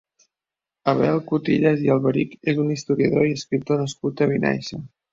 Abel Cutillas i Alberich és un historiador i escriptor nascut a Vinaixa.